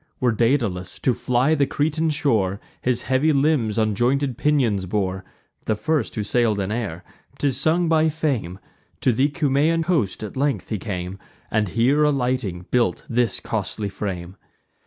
When Daedalus, to fly the Cretan shore, His heavy limbs on jointed pinions bore, (The first who sail'd in air,) 'tis sung by Fame, To the Cumaean coast at length he came, And here alighting, built this costly frame.